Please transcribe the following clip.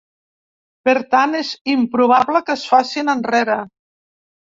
Per tant, és improbable que es facin enrere.